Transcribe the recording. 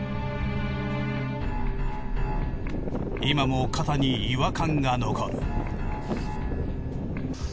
今も肩に違和感が残る。